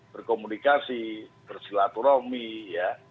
berkomunikasi bersilaturahmi ya